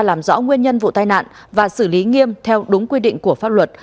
làm rõ nguyên nhân vụ tai nạn và xử lý nghiêm theo đúng quy định của pháp luật